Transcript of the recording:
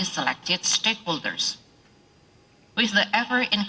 bukan hanya dari pemilihan penduduk